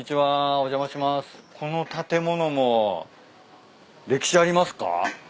この建物も歴史ありますか？